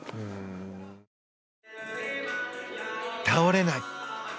倒れない。